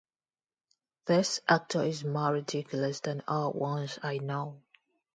This actor is more ridiculous than all ones I know.